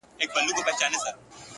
سپین لباس د فریشتو یې په تن کړی-